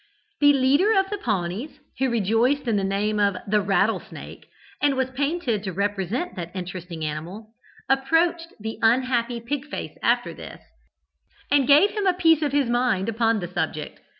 "The leader of the Pawnees, who rejoiced in the name of 'the Rattle snake,' and was painted to represent that interesting animal, approached the unhappy Pig face after this, and gave him a piece of his mind upon the subject.